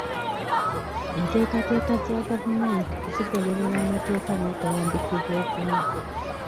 Enteekateeka za gavumenti zigoberera amateeka n'okulambikibwa okumu.